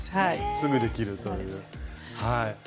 すぐできるという。